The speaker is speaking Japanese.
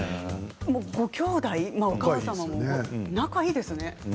ごきょうだい、お母様も仲がいいですね。